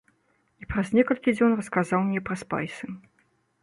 І праз некалькі дзён расказаў мне пра спайсы.